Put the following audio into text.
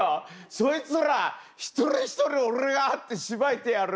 そいつら一人一人俺が会ってしばいてやる！」